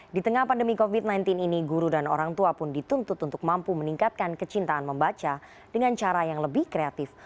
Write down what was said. di tengah pandemi covid sembilan belas ini guru dan orang tua pun dituntut untuk mampu meningkatkan kecintaan membaca dengan cara yang lebih kreatif